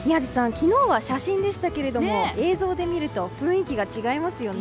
昨日は写真でしたけれども映像で見ると雰囲気が違いますよね。